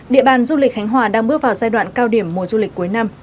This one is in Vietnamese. địa bàn du lịch khánh hòa đang bước vào giai đoạn cao điểm mùa du lịch cuối năm